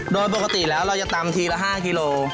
โดยปกติแล้วเราจะตำทีละ๕กิโล